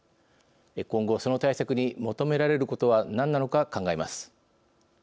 今後、その対策に求められることは何なのか考えます。